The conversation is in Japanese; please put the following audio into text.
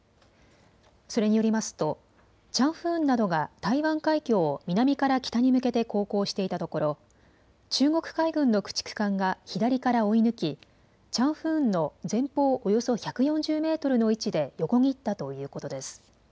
それによりますとチャンフーンなどが台湾海峡を南から北に向けて航行していたところ中国海軍の駆逐艦が左から追い抜きチャンフーンの前方およそ１４０メートルの位置で横切ったということです。